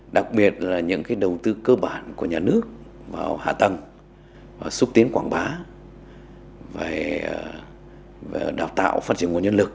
đặc biệt là những đầu tư cơ bản của nhà nước vào hạ tầng xúc tiến quảng bá về đào tạo phát triển nguồn nhân lực